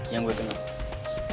yang gue kenal